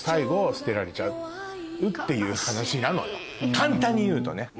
簡単に言うとね。